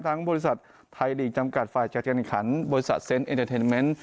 ทางบริษัทไทยหลีกจำกัดไฟจากการขันบริษัทเซ็นต์เอ็นเตอร์เทนเมนต์